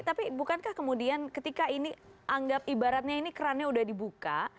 tapi bukankah kemudian ketika ini anggap ibaratnya ini kerannya sudah dibuka